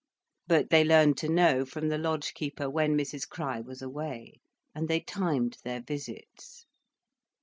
But they learned to know, from the lodge keeper, when Mrs Crich was away, and they timed their visits.